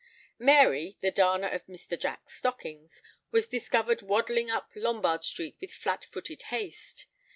Mary, the darner of Mr. Jack's stockings, was discovered waddling up Lombard Street with flat footed haste.